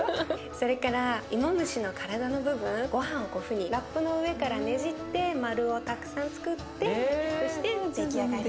それから芋虫の体の部分ごはんをこういうふうにラップの上からねじって丸をたくさんつくってそして出来上がり。